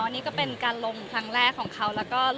นี่ก็เป็นการรองครั้งแรกของเขา